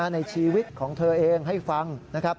ในชีวิตของเธอเองให้ฟัง